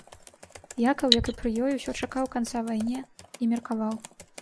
Якаў, як і пры ёй, усё чакаў канца вайне і меркаваў.